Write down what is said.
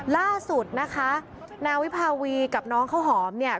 ล่าสุดนะคะนางวิภาวีกับน้องข้าวหอมเนี่ย